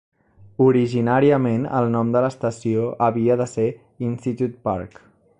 Originàriament, el nom de l'estació havia de ser Institute Park.